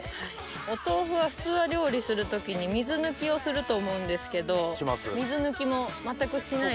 お豆腐は普通は料理する時に水抜きをすると思うんですけど水抜きも全くしない状態で。